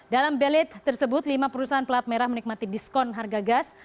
dalam belit tersebut lima perusahaan pelat merah menikmati diskon harga gas